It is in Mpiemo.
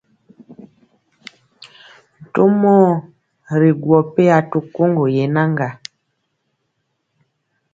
Ntomɔɔ ri gwɔ peya to koŋgo yenaŋga.